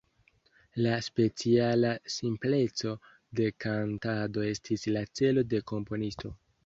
La speciala simpleco de kantado estis la celo de komponisto.